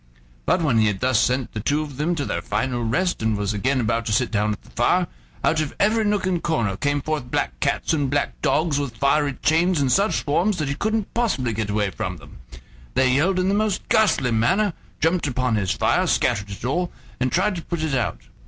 But when he had thus sent the two of them to their final rest, and was again about to sit down at the fire, out of every nook and corner came forth black cats and black dogs with fiery chains in such swarms that he couldn't possibly get away from them. They yelled in the most ghastly manner, jumped upon his fire, scattered it all, and tried to put it out.